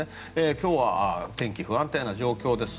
今日は天気、不安定な状況です。